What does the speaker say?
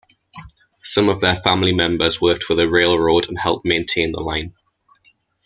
Some of their family members worked for the railroad and helped maintain the line.